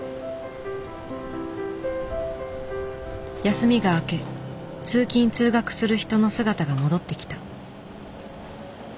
休みが明け通勤通学する人の姿が戻ってきた。